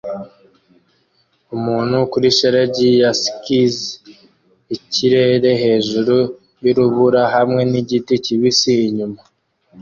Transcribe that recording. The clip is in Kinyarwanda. Umuntu kuri shelegi ya skisi ikirere hejuru yurubura hamwe nigiti kibisi inyuma